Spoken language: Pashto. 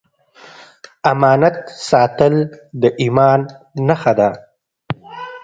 امانت ساتل د ایمان نښه ده.